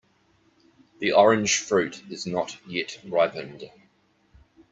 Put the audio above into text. The orange fruit is not yet ripened.